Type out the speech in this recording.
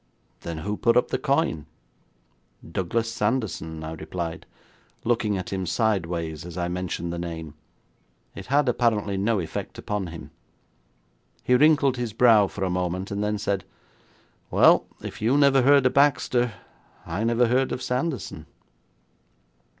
'Then who put up the coin?' 'Douglas Sanderson,' I replied, looking at him sidewise as I mentioned the name. It had apparently no effect upon him. He wrinkled his brow for a moment, then said: 'Well, if you never heard of Baxter, I never heard of Sanderson.'